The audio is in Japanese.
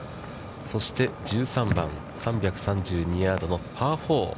そして、１３番、３３２ヤードのパー４。